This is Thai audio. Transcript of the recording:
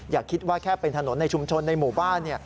อย่าคิดว่าแค่เป็นถนนในชุมชนในหมู่บ้าน